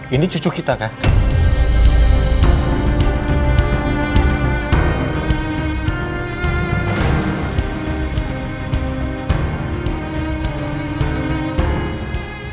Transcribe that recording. ini cucu kita kan